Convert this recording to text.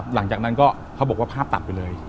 หลังจากนั้นก็เขาบอกว่าภาพตัดไปเลย